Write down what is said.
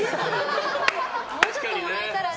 もうちょいもらえたらね。